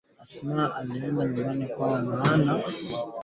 Eshima mumaisha ya muntu niya maana